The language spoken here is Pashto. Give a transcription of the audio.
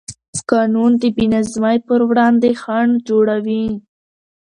قانون د بېنظمۍ پر وړاندې خنډ جوړوي.